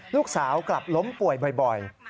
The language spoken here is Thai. ลูกสาวกลับล้มป่วยบ่อย